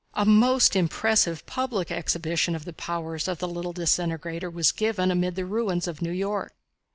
A most impressive public exhibition of the powers of the little disintegrator was given amid the ruins of New York.